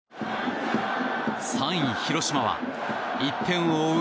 ３位、広島は１点を追う